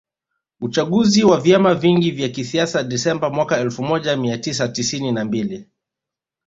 Uchaguzi wa vyama vingi vya kisiasa Desemba mwaka elfumoja miatisa tisini na mbili